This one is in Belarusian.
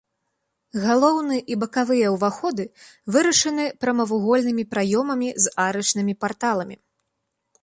Галоўны і бакавыя ўваходы вырашаны прамавугольнымі праёмамі з арачнымі парталамі.